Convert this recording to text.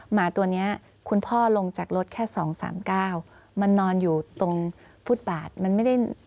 หมาตัวเนี้ยคุณพ่อลงจากรถแค่สองสามเก้ามันนอนอยู่ตรงฟุตบาทมันไม่ได้